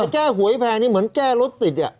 แก้หวยแพงนี่เหมือนแก้รถติด